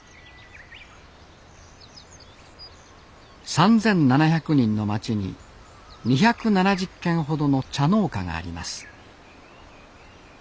３，７００人の町に２７０軒ほどの茶農家があります。